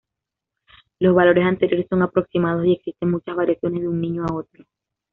Los valores anteriores son aproximados, y existen muchas variaciones de un niño a otro.